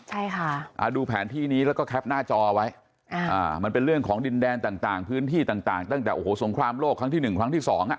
ใช่ค่ะอ่าดูแผนที่นี้แล้วก็แคปหน้าจอไว้อ่ามันเป็นเรื่องของดินแดนต่างพื้นที่ต่างตั้งแต่โอ้โหสงครามโลกครั้งที่หนึ่งครั้งที่สองอ่ะ